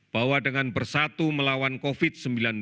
bahwa dengan bersatu melawan covid sembilan belas